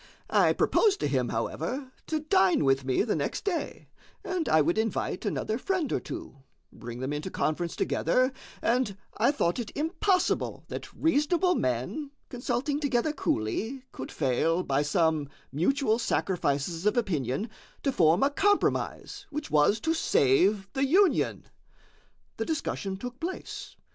I proposed to him, however, to dine with me the next day, and I would invite another friend or two, bring them into conference together, and I thought it impossible that reasonable men, consulting together coolly, could fail, by some mutual sacrifices of opinion, to form a compromise which was to save the Union. The discussion took place.